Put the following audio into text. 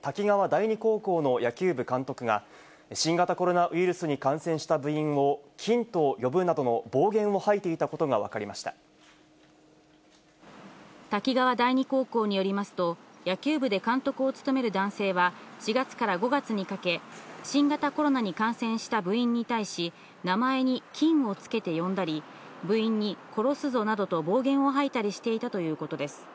第二高校の野球部監督が、新型コロナウイルスに感染した部員を菌と呼ぶなどの暴言を吐いて滝川第二高校によりますと、野球部で監督を務める男性は、４月から５月にかけ、新型コロナに感染した部員に対し、名前に菌を付けて呼んだり、部員に殺すぞなどと暴言を吐いたりしていたということです。